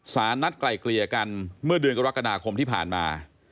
นัดไกลเกลี่ยกันเมื่อเดือนกรกฎาคมที่ผ่านมา